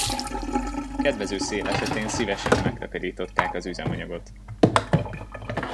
Kedvező szél esetén szívesen megtakarították az üzemanyagot.